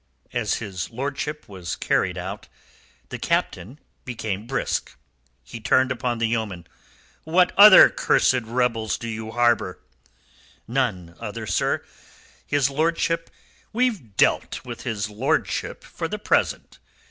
As his lordship was carried out, the Captain became brisk. He turned upon the yeoman. "What other cursed rebels do you harbour?" "None other, sir. His lordship...." "We've dealt with his lordship for the present.